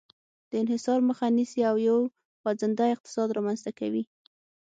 د انحصار مخه نیسي او یو خوځنده اقتصاد رامنځته کوي.